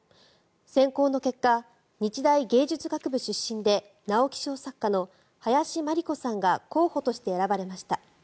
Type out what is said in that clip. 選考の結果、日大芸術学部出身で直木賞作家の林真理子さんが候補として選ばれました。